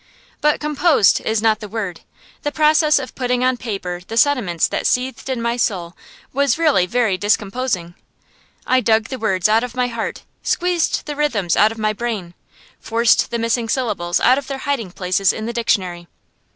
But "composed" is not the word. The process of putting on paper the sentiments that seethed in my soul was really very discomposing. I dug the words out of my heart, squeezed the rhymes out of my brain, forced the missing syllables out of their hiding places in the dictionary.